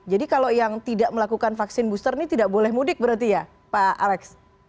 jadi kalau yang tidak melakukan vaksin booster ini tidak boleh mudik berarti ya pak alex